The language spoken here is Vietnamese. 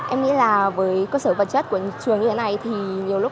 em nghĩ là với cơ sở vật chất của trường như thế này thì nhiều lúc